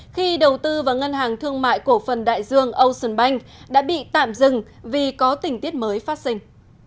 khi đầu tư vào ngân hàng thương mại cổ phần đại dương ocean bank đã bị tạm dừng vì có tình tiết mới phát sinh